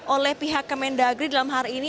oleh pihak kemendagri dalam hari ini